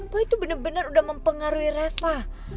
boy tuh bener bener udah mempengaruhi reva